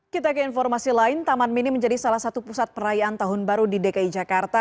kita ke informasi lain taman mini menjadi salah satu pusat perayaan tahun baru di dki jakarta